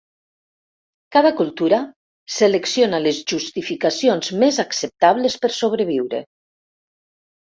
Cada cultura selecciona les justificacions més acceptables per sobreviure.